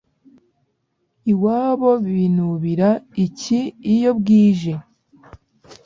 Iwabo binubira iki iyo bwije